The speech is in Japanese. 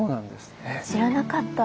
知らなかった。